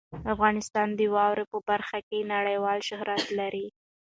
افغانستان د واورو په برخه کې نړیوال شهرت لري.